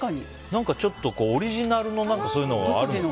ちょっとオリジナルのそういうのがあるよね。